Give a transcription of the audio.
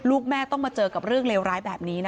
ลูกแม่ต้องมาเจอกับเรื่องเลวร้ายแบบนี้นะ